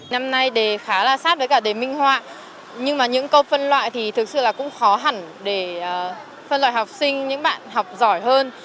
năm nay đề khá là sát với cả đề minh họa nhưng mà những câu phân loại thì thực sự là cũng khó hẳn để phân loại học sinh những bạn học giỏi hơn